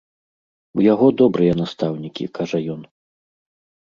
У яго добрыя настаўнікі, кажа ён.